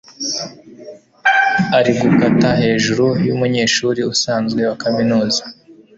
Ari gukata hejuru yumunyeshuri usanzwe wa kaminuza.